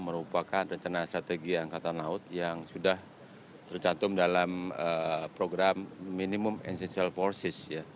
merupakan rencana strategi angkatan laut yang sudah tercantum dalam program minimum essential forces